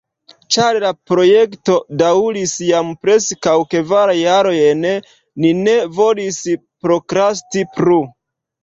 Ĉar la projekto daŭris jam preskaŭ kvar jarojn, ni ne volis prokrasti plu.